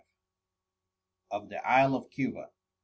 _Of the Isle of _Cuba.